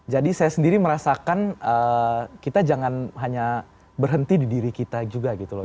jadi saya sendiri merasakan kita jangan hanya berhenti di diri kita juga gitu loh